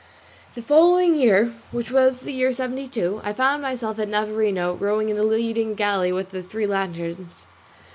The following year, which was the year seventy two, I found myself at Navarino rowing in the leading galley with the three lanterns.